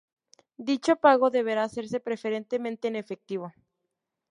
Dicho pago deberá hacerse preferentemente en efectivo.